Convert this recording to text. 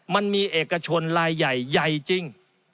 มันมีเอกชนลายใหญ่ใหญ่จริง